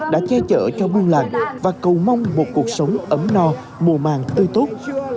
đã che chở cho bưu lạc và cầu mong một cuộc sống ấm no mùa màng tươi tốt